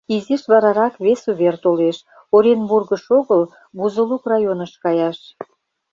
Изиш варарак вес увер толеш: Оренбургыш огыл, Бузулук районыш каяш.